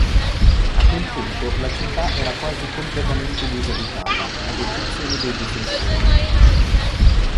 A quel punto la città era quasi completamente disabitata, ad eccezione dei difensori.